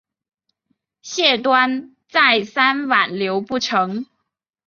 谢端再三挽留不成。